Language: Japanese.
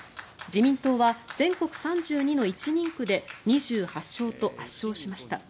自民党は全国３２の１人区で２８勝と圧勝しました。